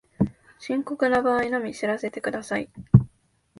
深刻な場合のみ知らせてください